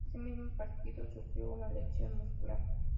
En ese mismo partido, sufrió una lesión muscular.